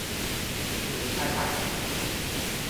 胡亂猜測